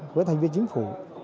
với thành viên chính phủ